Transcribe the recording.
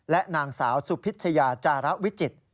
และนางสาวสุพิชยาจาระวิจิตร